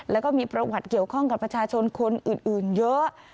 แล้วก็มีประวัติเกี่ยวข้องกับประชาชนคนอื่นเยอะ